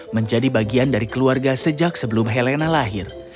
menjadi bagian dari keluarga sejak sebelum helena lahir